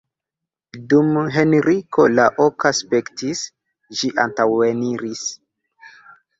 Dum Henriko la oka spektis, ĝi antaŭeniris.